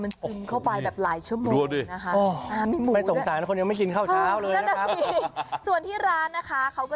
มันซึมเข้าไปแบบหลายชั่วโมงนะคะ